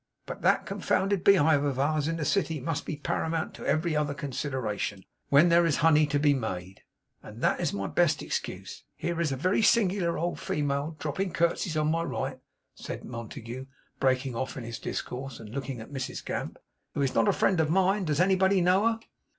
But that confounded beehive of ours in the city must be paramount to every other consideration, when there is honey to be made; and that is my best excuse. Here is a very singular old female dropping curtseys on my right,' said Montague, breaking off in his discourse, and looking at Mrs Gamp, 'who is not a friend of mine. Does anybody know her?